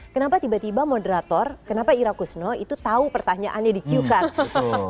kenapa tiba tiba moderator kenapa ira kusno itu tahu pertanyaannya di q card